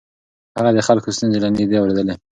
هغه د خلکو ستونزې له نږدې اورېدلې.